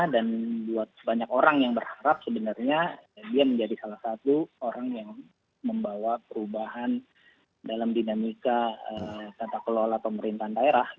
dan buat banyak orang yang berharap sebenarnya dia menjadi salah satu orang yang membawa perubahan dalam dinamika kata kelola pemerintahan daerah